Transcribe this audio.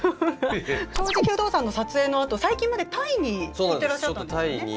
「正直不動産」の撮影のあと最近までタイに行ってらっしゃったんですよね。